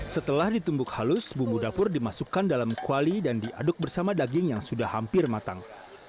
setelah ditumbuk halus bumbu dapur dimasukkan dalam kuali dan diaduk bersama daging yang sudah hampir matang